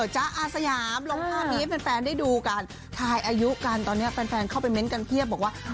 จ๊ะอาสยามลงภาพนี้ให้แฟนได้ดูกันทายอายุกันตอนนี้แฟนเข้าไปเม้นต์กันเพียบบอกว่า